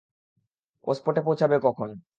ও স্পটে পৌঁছাবে কখন?